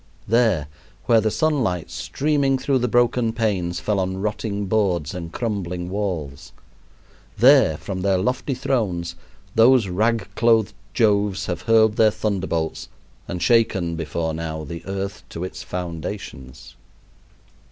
There, where the sunlight streaming through the broken panes fell on rotting boards and crumbling walls; there, from their lofty thrones, those rag clothed Joves have hurled their thunderbolts and shaken, before now, the earth to its foundations.